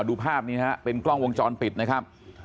ดูภาพนี้ฮะเป็นกล้องวงจรปิดนะครับ